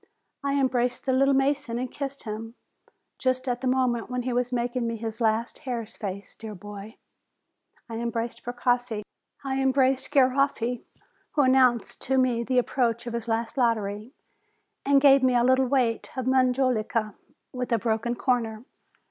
I embraced the "little mason/' and kissed him, just at the moment when he was mak ing me his last hare's face, dear boy! I embraced Precossi. I embraced Garoffi, who announced to me the approach of his last lottery, and gave me a little weight of majolica, with a broken corner.